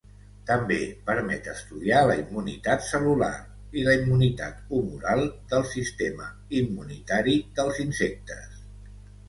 També permet estudiar la immunitat cel·lular i la immunitat humoral del sistema immunitari dels insectes.